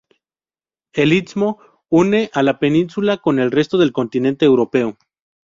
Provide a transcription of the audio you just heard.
El istmo une a la península con el resto del continente europeo.